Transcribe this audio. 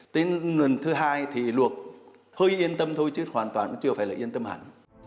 thế lần thứ hai thì luộc hơi yên tâm thôi chứ hoàn toàn chưa phải là yên tâm hẳn